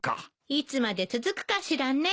いつまで続くかしらね。